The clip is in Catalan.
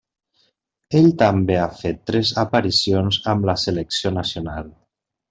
Ell també ha fet tres aparicions amb la selecció nacional.